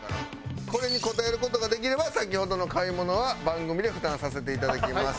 これに答える事ができれば先ほどの買い物は番組で負担させていただきます。